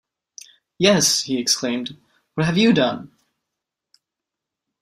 "Yes," he exclaimed, "what have you done?"